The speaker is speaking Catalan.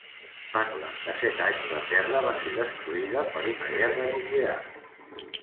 Fa noranta-set anys, la Terra va ser destruïda per una guerra nuclear.